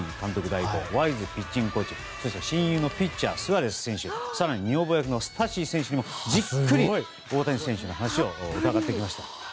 代行ワイズピッチングコーチや親友のピッチャースアレス選手そしてスタッシ選手にもじっくり大谷選手の話を伺ってきました。